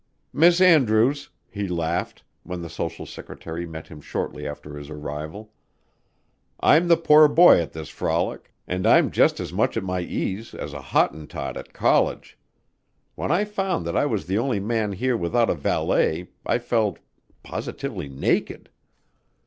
"Miss Andrews," he laughed, when the social secretary met him shortly after his arrival, "I'm the poor boy at this frolic, and I'm just as much at my ease as a Hottentot at college. When I found that I was the only man here without a valet, I felt positively naked."